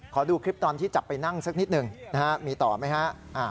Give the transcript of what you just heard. ขอดูคลิปตอนที่จับไปนั่งสักนิดหนึ่งนะฮะมีต่อไหมฮะ